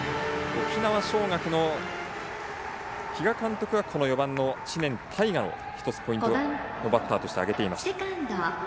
沖縄尚学の比嘉監督が、４番の知念大河をポイントのバッターとして挙げています。